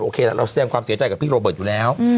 เราแสดงความเสียใจกับพี่โรเบิร์ตอยู่แล้ว